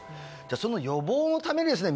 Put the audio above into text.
その予防のためにですね